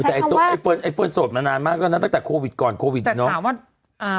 แต่ไอ้เฟิร์นโสดมานานมากแล้วนะตั้งแต่โควิดก่อนโควิดอะเนาะ